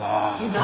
何？